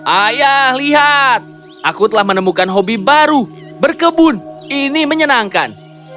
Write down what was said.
ayah lihat aku telah menemukan hobi baru berkebun ini menyenangkan